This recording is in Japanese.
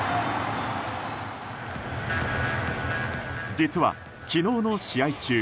実は昨日の試合中